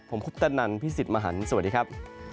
ผมคุปตะนันพี่สิทธิ์มหันฯสวัสดีครับ